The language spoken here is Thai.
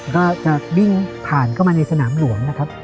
ก็จะวิ่งผ่านเข้ามาในสนามหลวงนะครับ